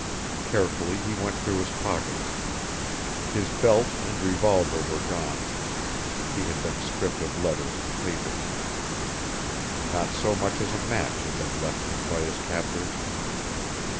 Carefully he went through his pockets. His belt and revolver were gone. He had been stripped of letters and papers. Not so much as a match had been left him by his captors.